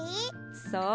そう。